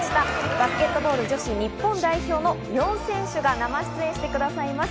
バスケットボール女子日本代表の４選手が生出演してくださいます。